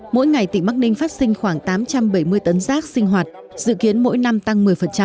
mỗi ngày tỉnh bắc ninh phát sinh khoảng tám trăm bảy mươi tấn rác sinh hoạt dự kiến mỗi năm tăng một mươi